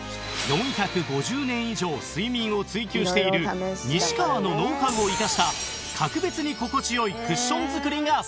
４５０年以上睡眠を追求している西川のノウハウを生かした格別に心地良いクッション作りがスタート！